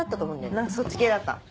何かそっち系だった。